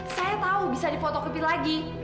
saya tahu bisa dipotokin lagi